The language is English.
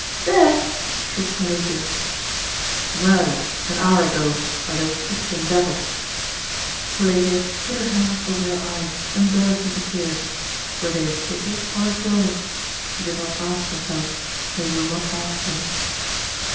'Dead?' shrieked Pelagia. 'Murdered, an hour ago, by those Christian devils.' Pelagia put her hands over her eyes, and burst into tears. Were they of pity or of joy?... She did not ask herself; and we will not ask her.